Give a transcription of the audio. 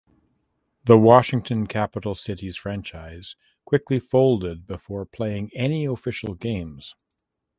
The Washington Capital Citys franchise quickly folded before playing any official games.